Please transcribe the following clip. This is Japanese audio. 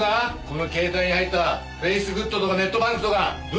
この携帯に入ったフェイスグッドとかネットバンクとか分析出来る奴。